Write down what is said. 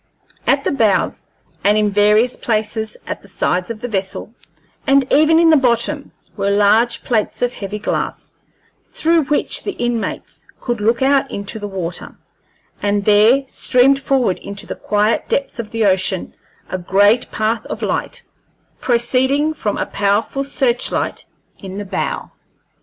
At the bows, and in various places at the sides of the vessel, and even in the bottom, were large plates of heavy glass, through which the inmates could look out into the water, and there streamed forward into the quiet depths of the ocean a great path of light, proceeding from a powerful searchlight in the bow.